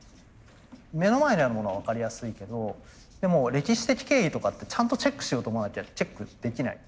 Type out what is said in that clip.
目の前にあるものは分かりやすいけどでも歴史的経緯とかってちゃんとチェックしようと思わなきゃチェックできない。